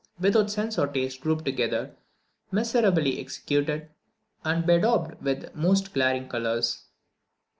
without sense or taste grouped together, miserably executed, and bedaubed with the most glaring colours.